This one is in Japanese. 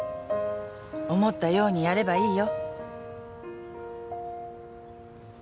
思ったようにやればいいよ。